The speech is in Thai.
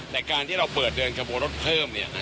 แต่การที่เราเปิดเดินขบวนรถเพิ่ม